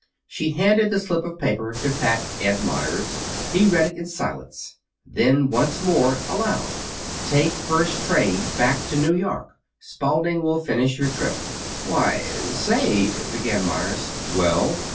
She handed the slip of paper to Fat Ed Meyers. He read it in silence. Then once more, aloud: "'Take first train back to New York. Spalding will finish your trip.'" "Why say " began Meyers. "Well?"